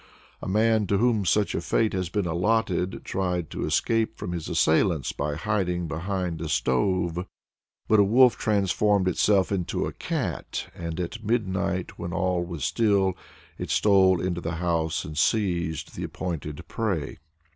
A man, to whom such a fate had been allotted, tried to escape from his assailants by hiding behind a stove; but a wolf transformed itself into a cat, and at midnight, when all was still, it stole into the house and seized the appointed prey.